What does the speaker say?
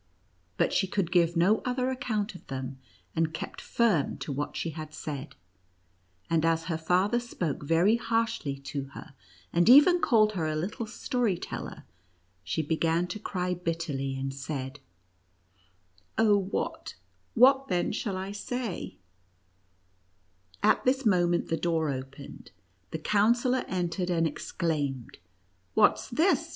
But she could give no other account of them, and kept firm to what she had said ; and, as her father spoke very harshly to her, and even called her a little story teller, she began to cry bitterly, and said: "Oh, what, what then shall I say V At this moment the door opened. The Counsellor entered, and exclaimed: "What's this